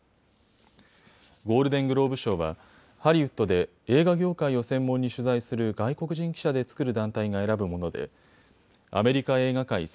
ゴールデングローブ賞はハリウッドで映画業界を専門に取材する外国人記者で作る団体が選ぶものでアメリカ映画界